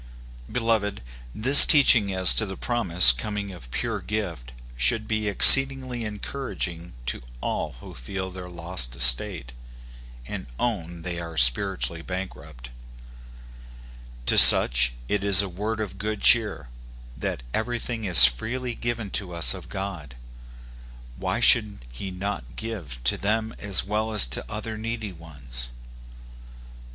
Beloved, this teaching as to the promise coming of pure gift should be exceedingly encouraging to all who feel their lost estate, and own that they are spiritually bankrupt. To such it is a According to the Promise. 43 word of good cheer, that everything is freely given to us of God : .why should he not give to them as well as to other needy ones?